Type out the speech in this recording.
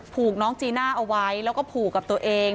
ผูกน้องจีน่าเอาไว้แล้วก็ผูกกับตัวเอง